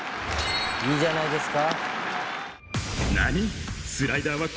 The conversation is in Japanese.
いいじゃないですか。